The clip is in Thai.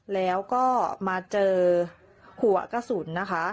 แล้วก็มาเจอหัวกระสุนนะคะ